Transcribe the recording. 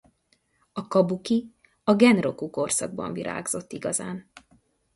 A kabuki a Genroku-korszakban virágzott igazán.